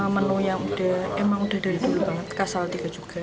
menu yang memang udah dari dulu banget kasal juga